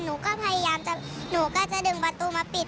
หนูก็พยายามจะหนูก็จะดึงประตูมาปิด